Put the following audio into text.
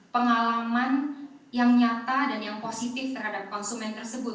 pengalaman yang nyata dan yang positif terhadap konsumen tersebut